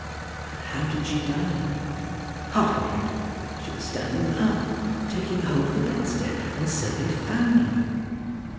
"And how did she die?" "Heart complaint. She was standing up, taking hold of the bedstead, and so they found her."